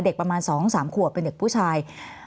เด็กประมาณสองสามขวบเป็นเด็กผู้ชาย